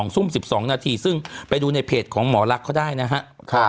๒ทุ่ม๑๒นาทีซึ่งไปดูในเพจของหมอลักษณ์เขาได้นะครับ